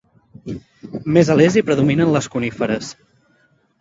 Més a l'est hi predominen les coníferes.